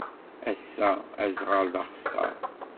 Ass-a, aẓɣal d axeṣṣar.